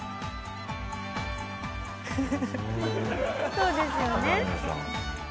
そうですよね。